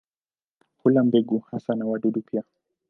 Hula mbegu hasa na wadudu pia.